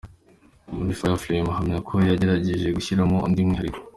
Muri ‘Fireflame’ahamya ko yagerageje gushyiramo undi mwihariko.